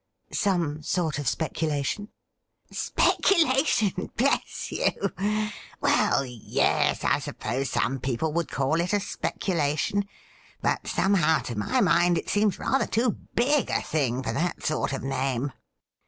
' Some sort of a speculation T ' Speculation, bless you ! Well, yes, I suppose some people would call it a speculation. But somehow, to my mind, it seems rather too big a thing for that sort of name.